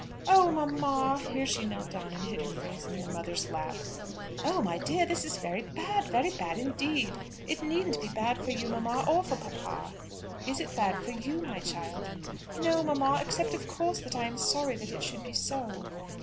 "Oh, mamma!" Here she knelt down and hid her face in her mother's lap. "Oh, my dear, this is very bad; very bad indeed." "It needn't be bad for you, mamma; or for papa." "Is it bad for you, my child?" "No, mamma; except of course that I am sorry that it should be so."